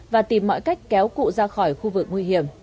và tìm mọi cách kéo cụ ra khỏi khu vực nguy hiểm